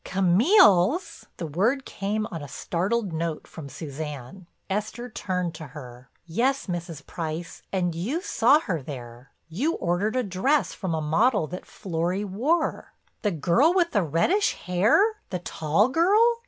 "Camille's!" the word came on a startled note from Suzanne. Esther turned to her: "Yes, Mrs. Price, and you saw her there—you ordered a dress from a model that Florry wore." "The girl with the reddish hair—the tall girl?"